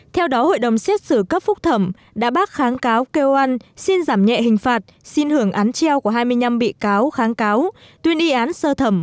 theo đó hội đồng xét xử cấp phúc thẩm đã bác kháng cáo kêu ăn xin giảm nhẹ hình phạt xin hưởng án treo của hai mươi năm bị cáo kháng cáo